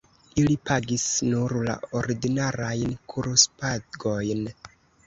Ili pagis nur la ordinarajn kurspagojn.